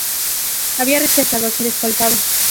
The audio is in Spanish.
Había rechazado ser escoltado.